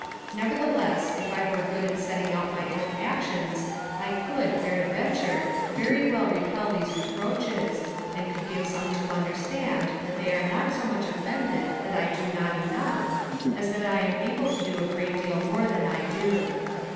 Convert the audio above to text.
Nevertheless, if I were good at setting out my own actions, I could, peradventure, very well repel these reproaches, and could give some to understand, that they are not so much offended, that I do not enough, as that I am able to do a great deal more than I do.